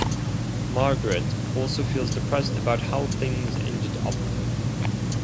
Margaret also feels depressed about how things ended up.